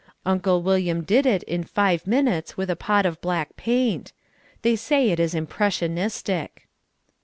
Uncle William did it in five minutes with a pot of black paint. They say it is impressionistic.